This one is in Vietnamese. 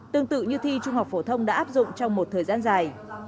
tương tự như thi trung học phổ thông đã áp dụng trong một thời gian dài